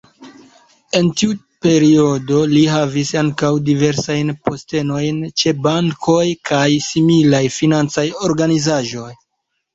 En tiu periodo li havis ankaŭ diversajn postenojn ĉe bankoj kaj similaj financaj organizaĵoj.